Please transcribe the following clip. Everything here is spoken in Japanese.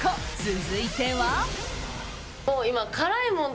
続いては。